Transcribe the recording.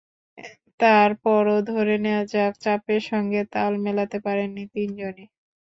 তার পরও ধরে নেওয়া যাক, চাপের সঙ্গে তাল মেলাতে পারেননি তিনজনই।